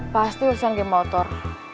pasti usah ngemotor